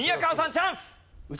チャンス！